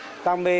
và đam mê